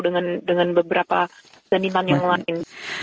dengan beberapa seniman yang lain